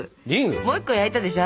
もう１個焼いたでしょ。